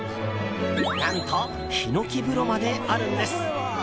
何と、ヒノキ風呂まであるんです！